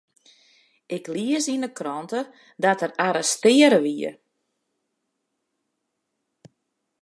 Ik lies yn 'e krante dat er arrestearre wie.